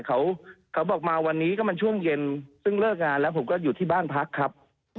เขาบอกมาวันนี้ก็มันช่วงเย็นซึ่งเลิกงานแล้วผมก็อยู่ที่บ้านพักครับ